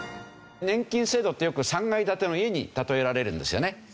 年金制度ってよく３階建ての家に例えられるんですよね。